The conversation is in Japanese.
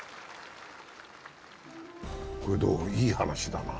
これ、いい話だな。